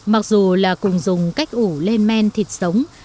mặc dù là cùng dùng cách ủ lên men thịt sống